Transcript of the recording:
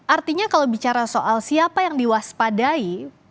artinya kalau bicara soal siapa yang diwaspadai